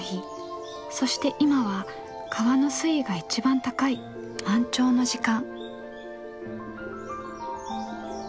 そして今は川の水位が一番高い満潮の時間。